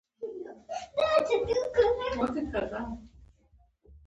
نو د جهاد رهبري د لویو مذهبي علماوو په لاس کې وه.